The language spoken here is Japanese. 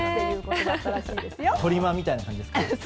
とりまみたいな感じですか？